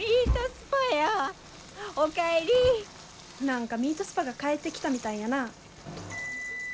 何かミートスパが帰ってきたみたいやな。